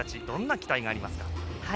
どんな期待がありますか？